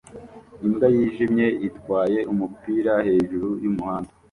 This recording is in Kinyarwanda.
Imbwa yijimye itwaye umupira hejuru yumuhanda